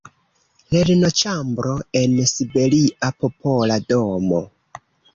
“Lernoĉambro en siberia Popola Domo.